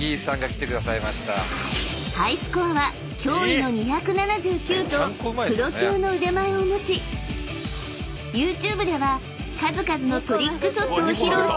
［ハイスコアは驚異の２７９とプロ級の腕前を持ちＹｏｕＴｕｂｅでは数々のトリックショットを披露している